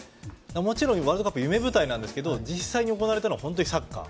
もちろんワールドカップは夢舞台なんですけど実際に行われたのはサッカー。